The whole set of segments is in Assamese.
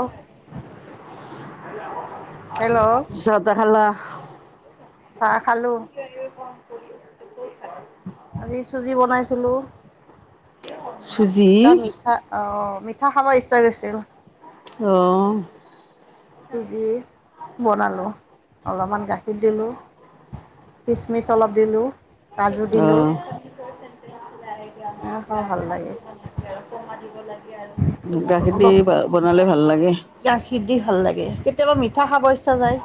অঁ হয় চাহ তাহ খালা? অ [unintelligible] কৰি আছে। আজি চুজি বনাইছো। চিলো। চুজি এ মিঠা অ মিঠা খাব ইচ্ছা গছিল। অঁ চুজি বনালোঁ অলপমান গাখীৰ দিলোঁ খিচমিচ অলপ দিলোঁ। কাজু অ দিলো। গাখীৰ দি অলপ বনালে ভাল লাগে। থকা পইচা যায়।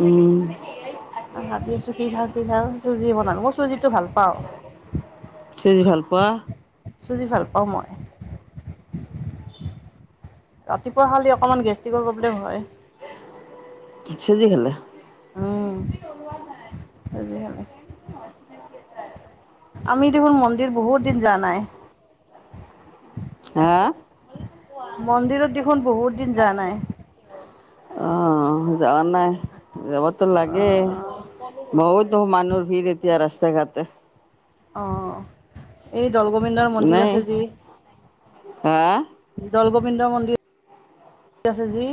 উম। ভাবি আছোঁ কি খাওঁ চুজি বনালো মই চুজিটো ভাল পাওঁ। চুজি ভাল পোৱা। চুজি ভাল পাও মই ৰাতিপুৱা খালি অকমান গেষ্টিকৰ প্ৰব্লেম হয়। চুজি খালে। উম, বেছি লগোৱা নাই। চুজি খালে। আমি দেখোন মন্দিৰ বহুত দিন যোৱা নাই? আহা মন্দিৰত দেখোন বহুত দিন যোৱা নাই আহ যোৱা নাই যাবতো লাগে অ', বহুত তো মানুহ ভিৰ এতিয়া ৰাস্তা জেগাতে অ এইটো দলগোবিন্দৰ মন্দিৰ নাই আছে যি হা জলগোবিন্দ মন্দিৰ আছে জি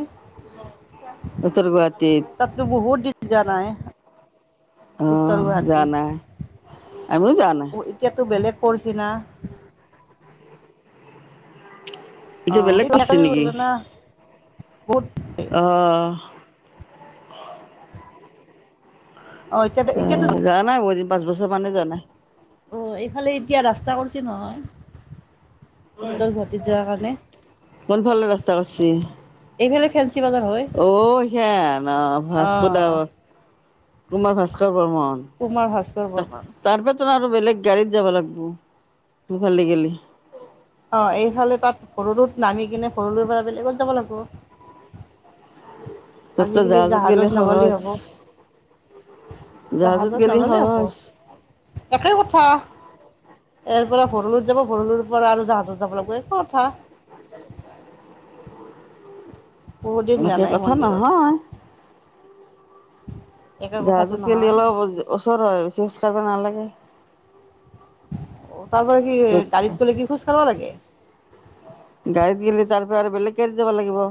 উত্তৰ গুৱাহাটীত বহুত দিন যোৱা নাই উত্তৰ আহ যোৱা গুৱাহাটী নাই আমিও যোৱা নাই পৰিছিনা? এইটো বেলেগ কৈছ নেকি অ', না বহুত আহ অ এতিয়াতো এতিয়াতো যোৱা নাই বহুদিন পাঁচ বছৰ মানে যোৱা নাই। অ এইফালে এতিয়া ৰাস্তা কৰিছে নহয় উত্তৰ গুৱাহাটীত যোৱাৰ কাৰণে কোন ভালে ৰাস্তা কৰছি এইফালে ফেঞ্চি বজাৰ হয় অ সেন অ ভাস্কৰ দা, অ', কুমাৰ ভাস্কৰ বৰ্মন কুমাৰ ভাস্কৰ বৰ্মন তাৰপ আৰু বেলেগ গাড়ীত যাব লাগিব দুফালে গ'লে অ এইফালে তাত সৰুৰুত নামি কিনে সৰুৰু পৰা বেলেগত যাব লাগিব তাতকৈ আজিকালি গেলি জাহাজত নগলেই সহজ হব জাহাজত গেলি নগলেই হব সহজ একেই কথা ইয়াৰ পৰা ভৰলুত যাব ভৰলুৰ পৰা আৰু জাহাজত যাব লাগিব একে কথা বহুত দিন যোৱা এনেকে নাই কথা মন্দিৰত নহয় একে কথাটো জাহাজত কেলে নহয় অলপ ওচৰত হয় বেছি খোজ কঢ়িব নালাগে অ তাৰপ কি য'ত গাড়ীত গ'লে কি খোজকাঢ়িব লাগে? গাড়ীত গলে তাৰ পৰা আৰু বেলেগ গাড়ী যাব লাগিব।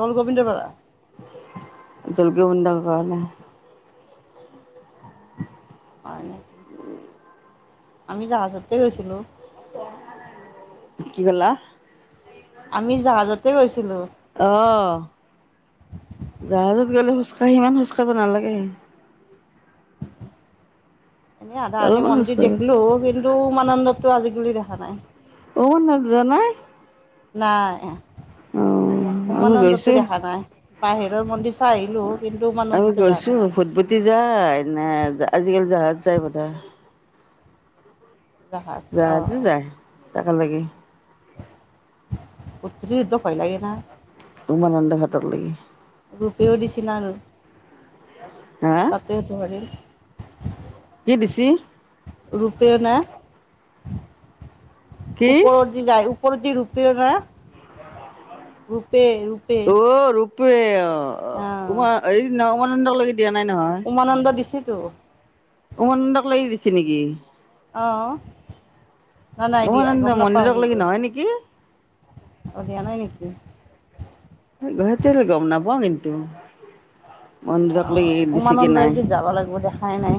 দল গোবিন্দ পৰা জল গোবিন্দ পৰা নে? হয় নেকি? আমি জাহাজতে গৈছিলো কি কলা আমি জাহাজত গৈছিলোঁ আহ জাহাজত গলে খোজকাঢ়িমান খোজ কঢ়িব নালাগে এনেই আধা আধি অলপমান মন্দিৰ খোজকাঢ়িব দেখিলো কিন্তু [unintelligible] আজিকালি দেখ কাৰাই অ ন জন নাই নাই অ আমি উমানন্দটো গৈছো দেখা নাই বাহিৰৰ মন্দিৰ চাই আহিলোঁ কিন্তু আমি উমানন্দতে যোৱা গৈছো নাই ফুটপুতি যায় নে আজিকালি জাহাজ যাই পতা জাহাজ অঁ তাক লাগি উতি যদ্ধ পাই লাগে ন তু মনন্দে খতৰ লাগি ৰুপিও দিছিল আৰু হা তাতেওতো ৰি কি দিছি ৰূপে ন কি ওপৰৰত দি যায় ৰূপে ন পে পে প অ অ উম এই ন মৰ উমানন্দ দিছিল স উমনন্দক লাগি দিছে নেকি আহ নাই নাই দিয়া উমানন্দ গম নাপাও মন্দিৰক লাগি কিন্তু নহয় নেকি অধিয়া নাই নেকি গুৱাহাট গম নাপাও কিন্তু অ মন্দিৰক লৈ দিছে কি উমানন্দই নাই এদ যাব লাগিব দেখাই নাই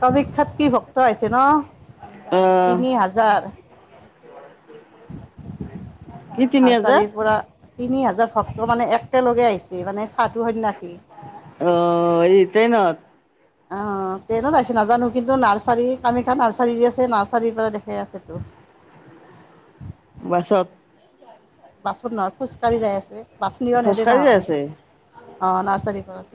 কামিকখ্যাত কি ভক্ত আহছে ন আহ তিনি হাজাৰ কি তিনি হাজাৰ নাৰ্চাৰীৰ পৰা তিনি হাজাৰ ভক্ত মানে একেলগে আহিছে মানে চাহটো সন্য়াস উ অ ইতোই ন আহ ট্ৰেইনোত আহাইছে নাজানো কিন্তু নাৰ্চাৰী কামাখ্যা নাৰ্চাৰী আছে নাৰ্চাৰীৰ পৰা দেখাই আছেতো বাছত বাচনথ খোজকাঢ়ি যায় আছে বাছন নেদে খোজকাঢ়ি যাই নহয় আছে অঁ নাৰ্চাৰী ঘত [unintelligible]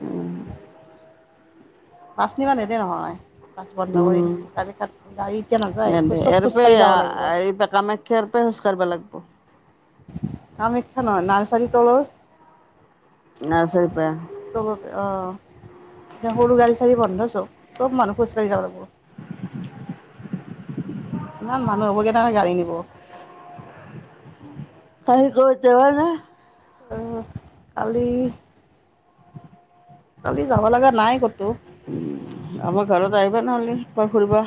বাচনি ম এতে নহয় বাছ বন্ধ কৰি উম দিছ কালি খাত গাড়ী এতিয়া নাযায় খোজ নেদে চোব ইয়াৰ পে খোজকাঢ়ি যাব লাগিব এই কামাখ্যাৰ পে খোজ কাঢ়িব লাগিব [unintelligible] কামাখ্যা নহ নাৰ্চাৰী তলৰ নাৰ্চাৰীৰ পৰা ব অ এ সৰু গাড়ী চাডাৰী বন্ধ চ [unintelligible] চব মানুহোজাঢ়ি যাবাগিব [unintelligible] ইমান মানুহ হ'বগেনেহে গাড়ী নিব আহি কৈ তেৱাৰ ন আহ কালি কালি যাব লগা নাই ক'তো উ আমাৰ ঘৰত আহিবা নহলে পাৰ ফুৰিবা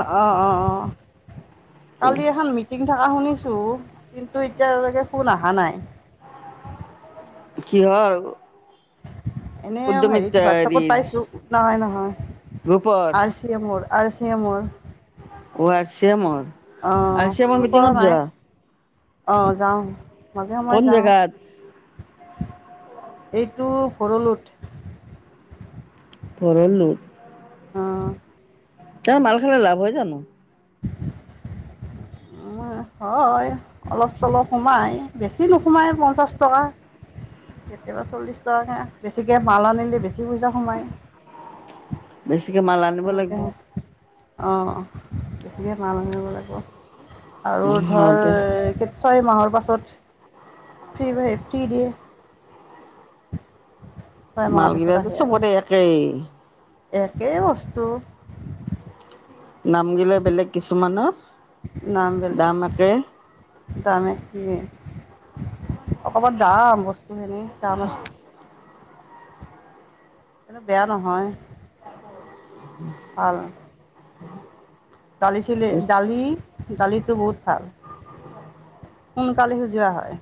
অ অ অ কালি এখন মিটিং থকা শুনিছো কিন্তু এতিয়াকে ফোন অহা নাই কিহৰ এনেই উদ্যমিতা হেৰিত হোৱাটছআাপত হেৰিৰ পাইছো নহয় নহয় গ্ৰুপৰ আছিয় মোৰ [unintelligible] আৰু চ মোৰ আৰ চেমৰ [unintelligible] অ ফোন কৰা নাই আহ যাও মাজে কোন মই যাওঁ জেগাত এইটো সৰলোত পৰলো [unintelligible] আহ কাৰণ মাল খালাৰ লাভ হয় জানো [unintelligible] হয় অলপ চলপ সোমাই বেছি নোসোমায় পঞ্চাছ টকা কেতিয়াবা চল্লিছ টকাকৈ বেছিকৈ মাল আনিলে বেছি পইচা সোমায় [unintelligible] বেছ গতিকে মাল আনিব লাগিব এনেকৈ অঁ বেছিকৈ মাল সনিব লাগিব [unintelligible] আৰু হয় ধৰ দে কে [unintelligible] ছয় মাহৰ পাছত ফ্ৰী ফ্ৰী দিয়ে [unintelligible] ছয় মাহৰ পিছত মালগৰাাতো আহে আৰু চবতে একেই [unintelligible] একেই বস্তু ত [unintelligible] নামগিলে বেলেগ কিছুমানৰ নাম গলে দাম একে তমানে কি অকমান দাম বস্তু [unintelligible] খিন কাম আছে। কিন্তু বেয়া নহয়। ভাল। ডালি চিলি ডালি দালিটো বহুত ভাল সোনকালি সিজোৱা হয়।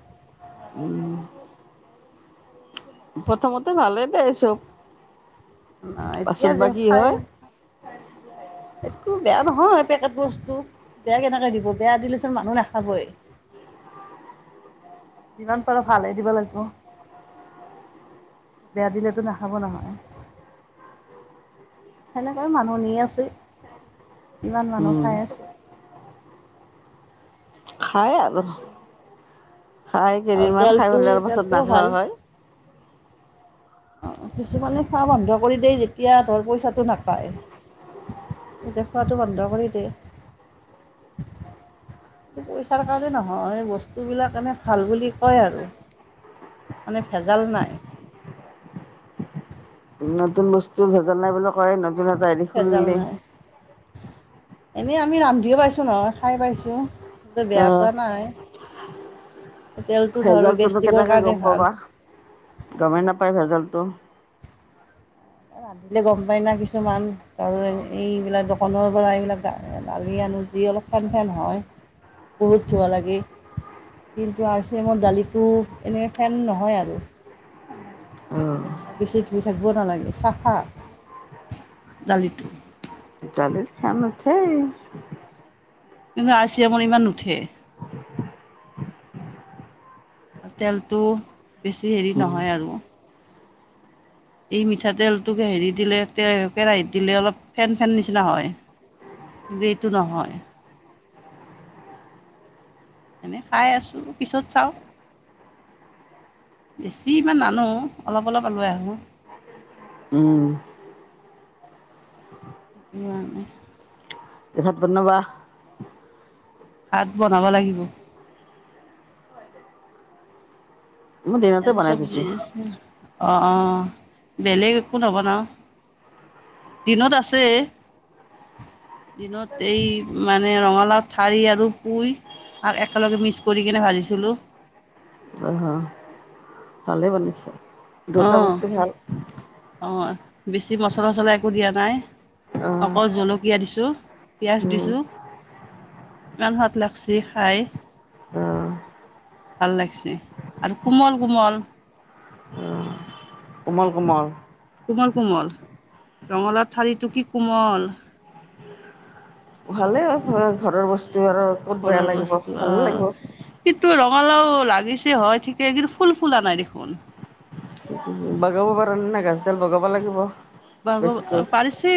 প্ৰথমতে ভালেই দেই চব অ এতিয়া পাছত বা যে কি খাই হয় টো বেয়া নহয় পেকেট বস্তু বেয়া কেনেকে দিব বেয়া দিলেচোন মানুহ নাখাবই যিমান পাৰো ভালেই দিব লাগিব বেয়া দিলেতো নাখাব নহয় সেনেকাই মানুহ নি আছেই ইমান মানুহ উম খাই আছে। খাই আৰু পা খাই আৰু কেইদিনমান খাই তেলটো পেলে আৰু পাছত তেলটোও নাখাৱ হয়! অ কিছুমানে খোৱা বন্ধ কৰি দিয় যেতিয়া ধৰ পইচাটো নাপায় তেতিয়া খোৱাটো বন্ধ কৰি দিয়ে। কি পইচাৰ কাৰণে নহয় বস্তুবিলাক এনে ভাল বুলি কয় আৰু মানে ভেজাল নাই। নতুন বস্তু ভজা নাই বুলি কয়। না তাই দে খুল ভেজাল দে নাই এনেই আমি ৰান্ধিও পাইছো নহয় খাই পাইছো। আহ তেলটো ধৰ ভেজালটোতো গেষ্ট্ৰিকৰ কেনেকে কাৰণে গম ভাল পাবা গমেই নাপায় ভেজাল উম! ৰান্ধিলে গম পায় না কিছুমান ধ এইবিলাক দোকানৰ পৰা এইবিলাক দালি আনো যি অলপ ফেন ফেন হয় বহুত ধোৱা লাগে কিন্তু আৰু আৰচিঅৰম দালিটো এনেকে ফেন নহয় আৰু অ! বেছি ধুই থাকিব নালাগে চাফা দালিটো। ডালিত কাম কানছেই কিন্তু আৰচিয়েমত ইমান নুঠে। তেলটো বেছি হেৰি উম নহয় আৰু এই মিঠাতেলটোকে হেৰি দিলে কেৰাহীত দিলে অলপ ফেন ফেন নিচিনা হয় কিন্তু এইটো নহয়। খাই আছো পিছত চাওঁ বেছি ইমান নানো অলপ অলপ লৈ আহো। উম। অ! কিহত বনাবা? ভাত বনাব লাগিব। মই দিনতে আজি বনাই চবজি থৈছোঁ অ' অঁ বেলেগ একো নবনাওঁ দিনত আছে দিনত এই মানে ৰঙালাও ঠাৰি আৰু পুই আৰু একেলগে মিক্স কৰি কিনে ভাজিছিলোঁ। ভালে বনাইছে। দুটা অহ বস্তু ভাল অহ! বেছি মচলা চচলা একো দিয়া নাই আহ অকল জলকীয়া দিছো পিয়াজ উম দিছো ইমান সোৱাদ লাগছে খাই আহ ভাল লাগছে আৰু কোমল কোমল কোমল কোমল কোমল কোমল ৰঙালাও ঠাৰিটো কি কোমল। ভালে ঘৰ ঘৰৰ বস্তু। টো আৰু ক'ত বেয়া ঘৰৰ লাগিব বস্তু ভালে অঁ লাগিব কিন্তু ৰঙালাও লাগিছে হয় ঠিকে কি ফুল ফুলা নাই দেখোন বগাব পৰা ন নাই গাছডাল বগাব লাগিব বাব বেছিকৈ পাৰিছি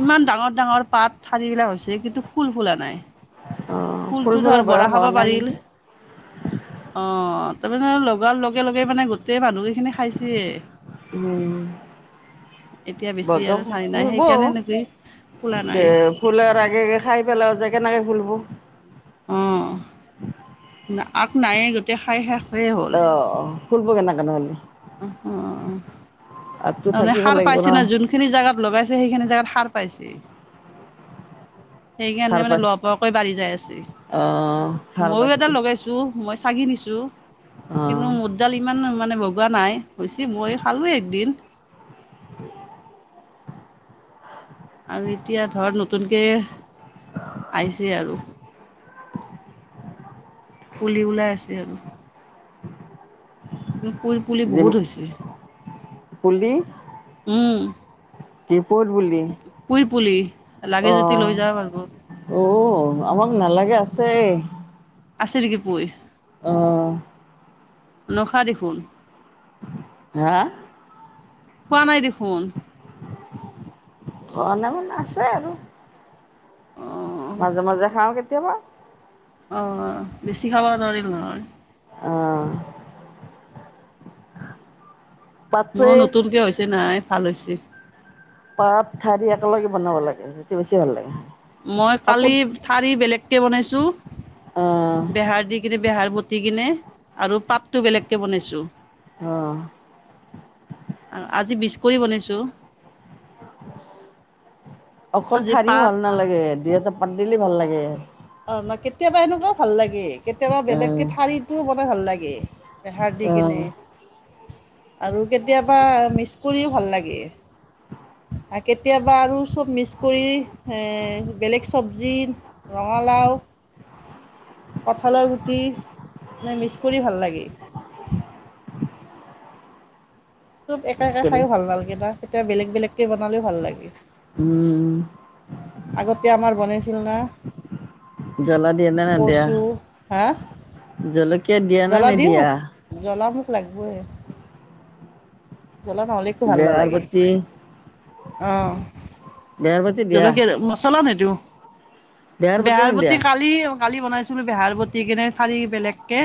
ইমান ডাঙৰ ডাঙৰ পাত ঠাৰি বিলাক হৈছে কিন্তু ফুল ফুলা নাই অঁ ফুলটো ফুল ফুলৰ বয়স হোৱা নাই নেকি অঁ তাৰমানে লগাৰ লগে লগে মানে গোটেই মানুহ কেইখিনি খাইছে উম এতিয়া ব বেছি আৰু ঠাই নাই ফুলব সেইকাৰণে নেকি খোলা নাই এ ফুলাৰ আগে আগে খাই পেলাও যে কেনেকে ফুলব উম আগ নায়ে গোটেই খাই শেষে হ'ল অঁ ফুলব কেনেকনেহ'লে অঁ আগটো তাৰমানে থাকিব সাৰ লাগিব ন পাইছিলে যোনখিনি জাগাত লগাইছে সেইখিনি জেগাত সাৰ পাইছে সেইকাৰণে সাৰ মানে পাইছে লহপহকৈ বাঢ়ি যাই আহ আছে হাল মইও এটা বাইছি লগাইছো মই দিছোঁ আহ কিন্তু মোদডাল ইমান মানে বগোৱা নাই হৈছে মই খালোঁৱে একদিন আৰু এতিয়া ধৰ নতুনকৈ আহিছেই আৰু কলি ওলাই আছে আৰু উম ফুলপুলি যে বহুত হৈছে পুলি উম [unintelligible] পুৰি [unintelligible] পুলি লাগে যদি লৈ যাব পাৰিব অঁ উ আমাৰ নালাগে আছে আছে নেকি পুই অঁ নখা দেখোন হাঁ [unintelligible] দেখোন ঘনে মানে আছে আৰু অ মাজে মাজে খাওঁ কেতিয়াবা অঁ বেছি খাব নোৱাৰিল নহয় অ পাতে মোৰো নতুনকে হৈছে নাই ভাল হৈছে পাত ঠাৰি একেলগে বনাব লাগে তেতিয়া বেছি ভাল লাগে মই কালি পাতত ঠাৰি বেলেগ কে বনাইছোঁ। অ বিহাৰ দি কিনে বিহাৰ। পুট কিনে আৰু পাতটো বেলেগকৈ বনাইছোঁ অ আজি বিচ কৰি বনাইছোঁ। অকল ঠাৰিও ভাল নালাগে দুই এটা পাত দিলি ভাল লাগে। এ। অ ন কেতিয়াবা সেনেকুৱা ভাল লাগে। কেতিয়াবা অ বেলেগ কে ঠাৰিটো ব। ভাল লাগে বেহাৰ দি অ কিনে আৰু কেতিয়াবা মিছ কৰি ও ভাল লাগে কেতিয়াবা আকৌ চব মিছ কৰি ও ভাল লাগে কেতিয়াবা বেলেগ চবজিত। ৰঙালাও কঁঠালৰ গুটি এনেই মিক্স কৰি ভাল লাগে। চব একে মিছ একে কৰি খাইো ভাল নালাগে না। এতিয়া বেলেগ বেলেগকে বনালেও ভাল লাগে। উম আগতে আমাৰ বনাইছিল না। জ্বলা দিয়ে নে নিদিয়া। কচু হা। জলেক। জলকিয়া দিয়া নে নিদিয়া। লাগিবয়ে। জলা নহ'লে একো ভাল বেহাৰ লাগে। বতি অহঁ। বেহাৰ বতি দিয়া জলকীয়া মছলা নেদ। দিব। বতি বেহাৰ প্ৰতি নিদিয়া? কালি কালি বনাই। বেহাৰ বতি কেনে খালি বেলেগকে।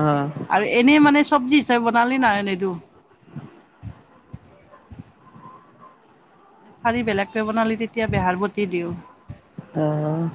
অ', আৰু এনে মানে। চব্জি হিচাপে বনালি ন এনেইটো। হাৰি বেলেগকৈ বনালি তেতিয়া বেহাৰ বতি দিওঁ। অ'।